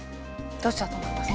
どっちだと思いますか？